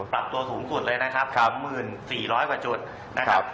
ปรับตัวสูงสุดเลยนะครับ๓๔๐๐กว่าจุดนะครับ